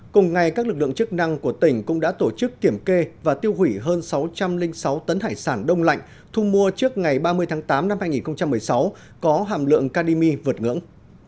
cùng ngày các lực lượng chức năng của tỉnh cũng đã tổ chức kiểm kê và tiêu hủy hơn sáu trăm linh sáu tấn hải sản đông lạnh thu mua trước ngày ba mươi tháng tám năm hai nghìn một mươi sáu có hàm lượng kadimi vượt ngưỡng